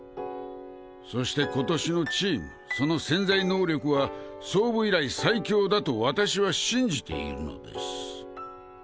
そして今年のチームその潜在能力は創部以来最強だと私は信じているのです。